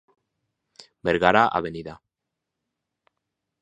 Vergara, Av.